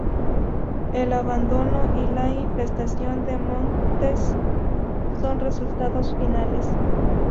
El abandono y la infestación de montes son los resultados finales.